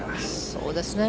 そうですね。